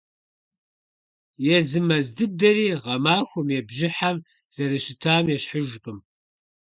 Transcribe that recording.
Езы мэз дыдэри гъэмахуэм е бжьыхьэм зэрыщытам ещхьыжкъым.